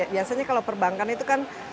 biasanya kalau perbankan itu kan